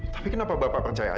tapi kenapa bapak percaya